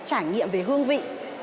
trải nghiệm về hương vị